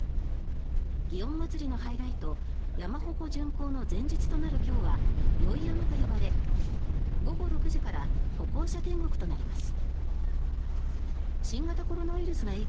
祇園祭のハイライト山鉾巡行の前日となる今日は宵山と呼ばれ、午後６時から歩行者天国となります。